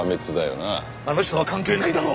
あの人は関係ないだろ！